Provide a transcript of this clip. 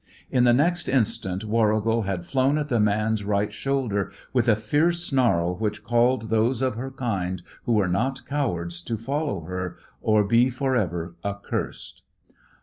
In the next instant Warrigal had flown at the man's right shoulder with a fierce snarl which called those of her kind who were not cowards to follow her or be for ever accursed.